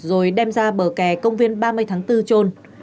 rồi đem ra bờ kè công viên ba mươi tháng bốn trôn